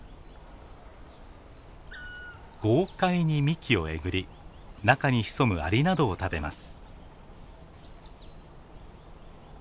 豪快に幹をえぐり中に潜むアリなどを食べます。